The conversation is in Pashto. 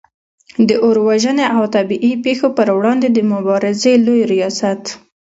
د اور وژنې او طبعې پیښو پر وړاندې د مبارزې لوي ریاست